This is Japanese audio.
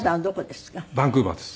バンクーバーです。